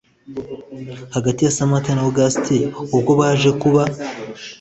hagati ya samantha na august ubwo baje kuba